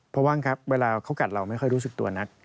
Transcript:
เพราะว่างครับเวลาเขากัดเราไม่ค่อยรู้สึกตัวนัก